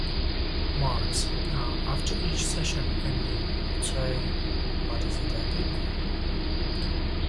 Marx: After each session Andy would say, 'But is it epic?